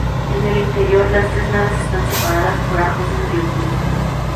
En el interior, las tres naves estás separadas por arcos de medio punto.